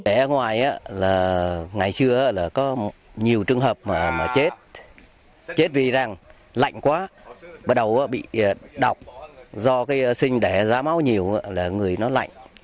để ngoài ngày xưa có nhiều trường hợp chết chết vì lạnh quá bắt đầu bị độc do sinh đẻ giá máu nhiều là người nó lạnh